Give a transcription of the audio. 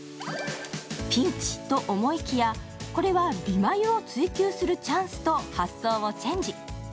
ピンチ！と思いきや、これは美眉を追求するチャンスと発想をチェンジ。